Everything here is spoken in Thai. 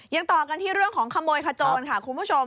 ยังต่อกันที่เรื่องของขโมยขโจรค่ะคุณผู้ชม